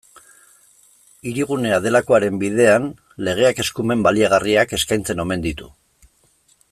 Hirigunea delakoaren bidean, legeak eskumen baliagarriak eskaintzen omen ditu.